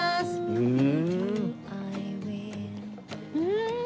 うん！！